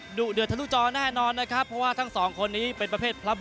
หนูเดือดทะลุจอแน่นอนครับ